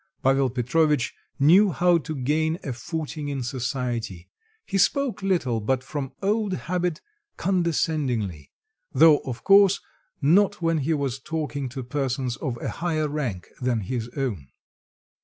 Pavel Petrovitch knew how to gain a footing in society; he spoke little, but from old habit, condescendingly though, of course, not when he was talking to persons of a higher rank than his own.